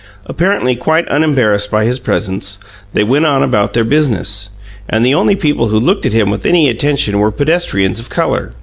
Apparently quite unembarrassed by his presence, they went about their business, and the only people who looked at him with any attention were pedestrians of color.